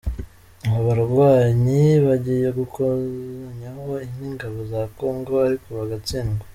Aba barwanyi bagiye bakozanyaho n’ingabo za Congo ariko bagatsindwa.